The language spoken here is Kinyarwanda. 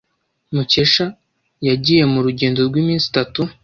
Mukesha yagiye mu rugendo rw'iminsi itatu.